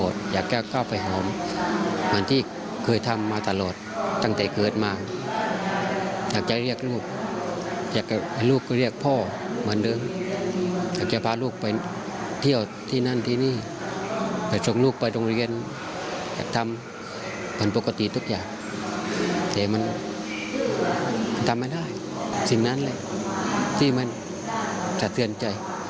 แต่มันทำไม่ได้สิ่งนั้นแหละที่มันสะเทือนใจ